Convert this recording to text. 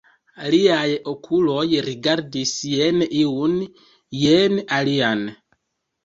Liaj okuloj rigardis jen iun, jen alian.